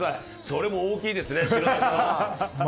それも大きいですね。